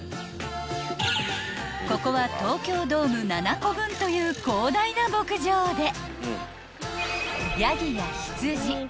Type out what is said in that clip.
［ここは東京ドーム７個分という広大な牧場で］